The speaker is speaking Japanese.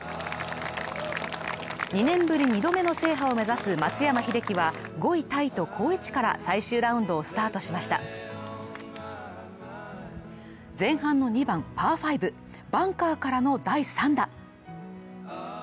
２年ぶり２度目の制覇を目指す松山英樹は５位タイと好位置から最終ラウンドをスタートしました前半の２番パー５バンカーからの第３打。